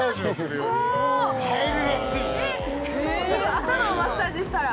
頭をマッサージしたら？